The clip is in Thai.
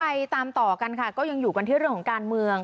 ไปตามต่อกันค่ะก็ยังอยู่กันที่เรื่องของการเมือง